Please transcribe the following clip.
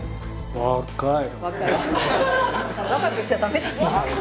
若い！